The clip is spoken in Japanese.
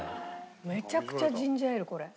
めちゃくちゃジンジャーエールこれ。